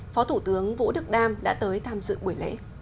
phó thủ tướng vũ đức đam đã tới tham dự buổi lễ